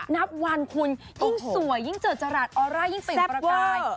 นับวันคุณยิ่งสวยยิ่งเจอจราดออร่ายิ่งเป็นประกาย